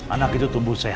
anak itu tumbuh sehat